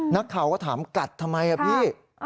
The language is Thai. นักข่าวก็ถามกัดทำไมอ่ะพี่